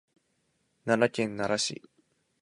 奈良県奈良市